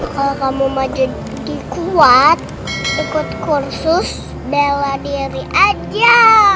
kalau kamu mau jadi kuat ikut kursus bela diri aja